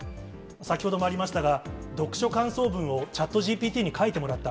先ほどもありましたが、読書感想文をＣｈａｔＧＴＰに書いてもらった。